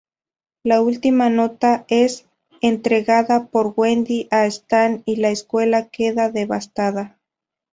La última nota es entregada por Wendy a Stan y la escuela queda devastada.